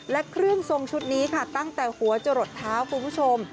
และเครื่องทรงชุดนี้ค่ะตั้งแต่หัวจะหลดเท้าคุณผู้ชม